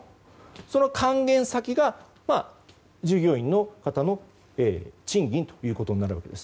その還元先が、従業員の方の賃金となるわけです。